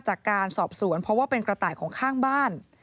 จากการสอบสวนเพราะว่าเป็นกระต่ายของข้างบ้าน